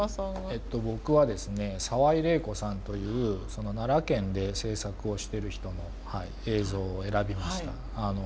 えっと僕はですね澤井玲衣子さんという奈良県で制作をしてる人の映像を選びました。